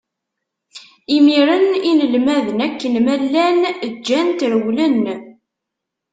Imiren inelmaden, akken ma llan, ǧǧan-t, rewlen.